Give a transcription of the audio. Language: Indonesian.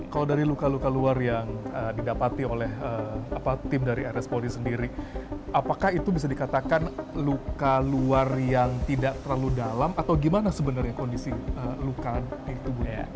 kalau dari luka luka luar yang didapati oleh tim dari rs polri sendiri apakah itu bisa dikatakan luka luar yang tidak terlalu dalam atau gimana sebenarnya kondisi luka di tubuhnya